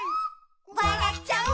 「わらっちゃう」